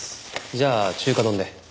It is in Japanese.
じゃあ中華丼で。